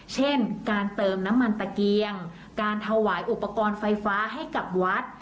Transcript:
เช่นการเติมน้ำมันตะเกียงการถวายอุปกรณ์ไฟฟ้าให้กับวัด